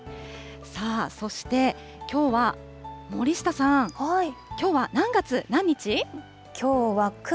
そして、きょうは森下さん、きょうは何月何日？